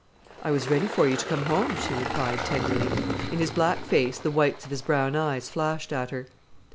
"I was ready for you to come home," she replied tenderly. In his black face the whites of his brown eyes flashed at her.